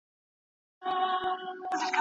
له رنګونو جوړ